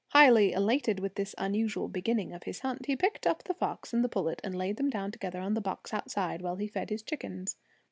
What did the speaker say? Highly elated with this unusual beginning of his hunt, he picked up the fox and the pullet and laid them down together on the box outside, while he fed his chickens.